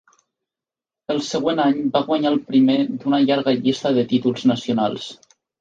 El següent any va guanyar el primer d'una llarga llista de títols nacionals.